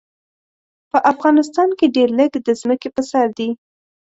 په افغانستان کې ډېر لږ د ځمکې په سر دي.